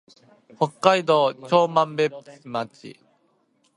北海道長万部町